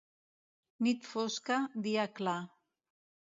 Nit fosca, dia clar.